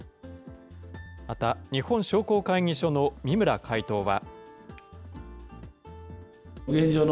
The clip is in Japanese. また日本商工会議所の三村会頭は。